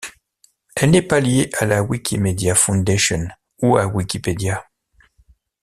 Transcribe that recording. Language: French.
Elle n'est pas liée à la Wikimedia Foundation ou à Wikipédia.